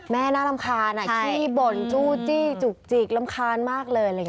แม่น่ารำคาญอะขี้บนจู้จี้จูบจีกรำคาญมากเลย